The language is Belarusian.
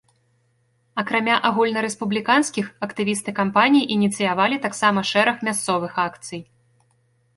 Акрамя агульнарэспубліканскіх, актывісты кампаніі ініцыявалі таксама шэраг мясцовых акцый.